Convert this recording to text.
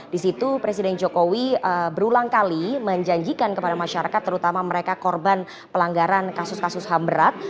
di situ presiden jokowi berulang kali menjanjikan kepada masyarakat terutama mereka korban pelanggaran kasus kasus ham berat